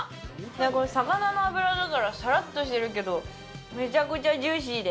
魚の脂だから、さらっとしてるけどめちゃくちゃジューシーで。